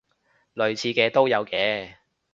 類似嘅都有嘅